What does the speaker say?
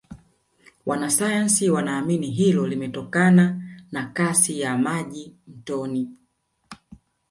wanasayansi wanaamini hilo limetokana na Kasi ya maji mtoni